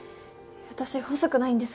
私細くないんです。